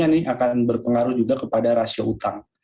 karena waktu lalu sebulan didenda membuang ke kota des workout